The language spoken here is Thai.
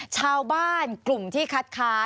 ชาวบ้านกลุ่มที่คัดค้าน